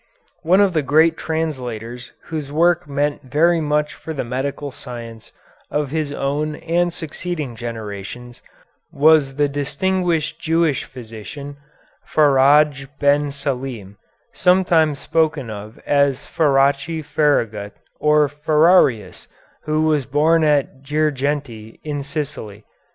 One of the great translators whose work meant very much for the medical science of his own and succeeding generations was the distinguished Jewish physician, Faradj Ben Salim, sometimes spoken of as Farachi Faragut or Ferrarius, who was born at Girgenti in Sicily.